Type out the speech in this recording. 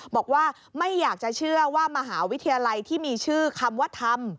บอกว่าไม่อยากจะเชื่อว่ามหาวิทยาลัยที่มีชื่อคำว่าธรรม